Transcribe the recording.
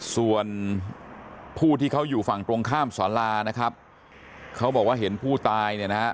ส่วนผู้ที่เขาอยู่ฝั่งตรงข้ามสารานะครับเขาบอกว่าเห็นผู้ตายเนี่ยนะฮะ